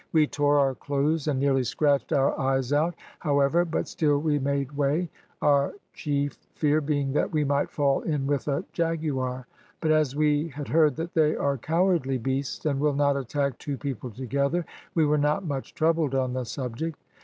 We tore our clothes and nearly scratched our eyes out, however, but still we made way, our chief fear being that we might fall in with a jaguar; but as we had heard that they are cowardly beasts, and will not attack two people together, we were not much troubled on the subject.